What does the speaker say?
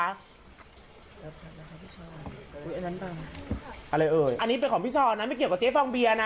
อันนี้เป็นของพี่ชอบนั้นไม่เกี่ยวกับเจฟองเบียร์นะ